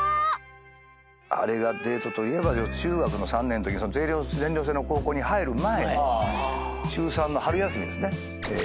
あれがデートといえば中学の３年のとき全寮制の高校に入る前の中３の春休みですね。